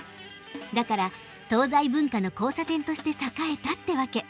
だから東西文化の交差点として栄えたってわけ。